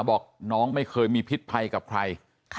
อันตรายภาพบอกน้องไม่เคยมีพิษภัยกับใคร